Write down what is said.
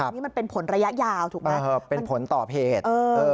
ครับนี่มันเป็นผลระยะยาวถูกไหมเออเป็นผลต่อเพจเออ